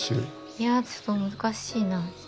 いやちょっと難しいな。